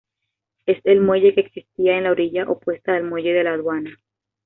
Es el muelle que existía en la orilla opuesta del muelle de la Aduana.